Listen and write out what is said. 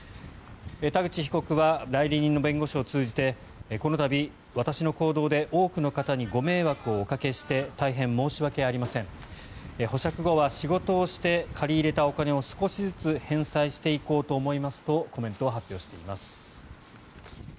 田口被告は代理人の弁護士を通じてこの度、私の行動で多くの方にご迷惑をおかけして大変申し訳ありません保釈後は仕事をして借り入れたお金を少しずつ返済していこうと思いますとコメントを発表しています。